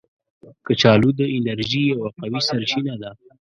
کچالو د انرژي یو قوي سرچینه ده